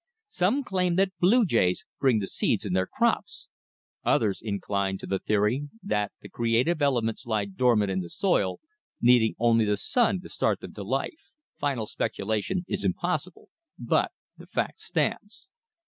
Some claim that blue jays bring the seeds in their crops. Others incline to the theory that the creative elements lie dormant in the soil, needing only the sun to start them to life. Final speculation is impossible, but the fact stands.